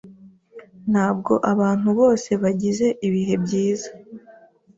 Ntabwo abantu bose bagize ibihe byiza?